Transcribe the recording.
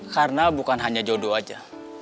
karena bukan hanya jodoh aja